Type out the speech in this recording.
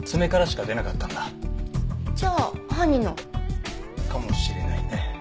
じゃあ犯人の？かもしれないね。